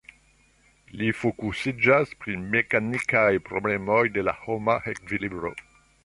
Li fokusiĝas pri mekanikaj problemoj de la homa ekvilibro.